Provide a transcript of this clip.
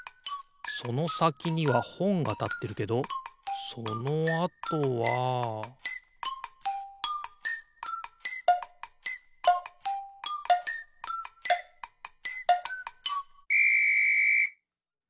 そのさきにはほんがたってるけどそのあとはピッ！